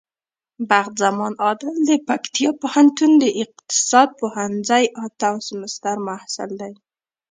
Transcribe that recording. بخت زمان عادل د پکتيا پوهنتون د اقتصاد پوهنځی اتم سمستر محصل دی.